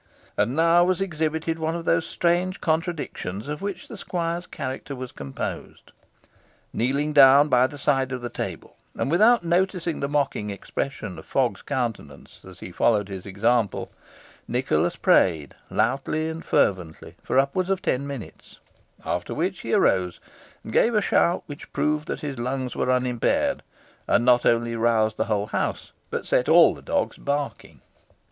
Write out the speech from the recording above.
And now was exhibited one of those strange contradictions of which the squire's character was composed. Kneeling down by the side of the table, and without noticing the mocking expression of Fogg's countenance as he followed his example, Nicholas prayed loudly and fervently for upwards of ten minutes, after which he arose and gave a shout which proved that his lungs were unimpaired, and not only roused the whole house, but set all the dogs barking.